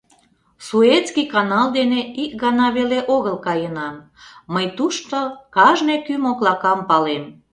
Суэцкий канал дене ик гана веле огыл каенам, мый тушто кажне кӱ моклакам палем.